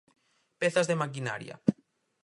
Pezas de maquinaria.